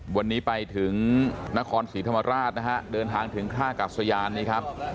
วันนี้ไปถึงนครศรีธรรมราชนะฮะเดินทางถึงท่ากัดสยานนี่ครับ